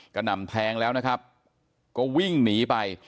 หน่ำแทงแล้วนะครับก็วิ่งหนีไป